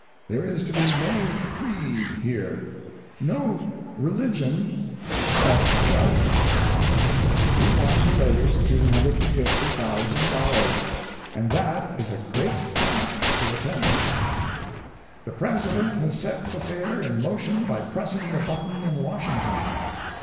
There is to be no creed here—no religion except charity. We want to raise $250,000—and that is a great task to attempt. The President has set the fair in motion by pressing the button in Washington.